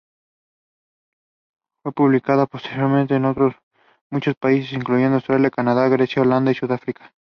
Fue publicada posteriormente en otros muchos países, incluyendo Australia, Canadá, Grecia, Holanda y Sudáfrica.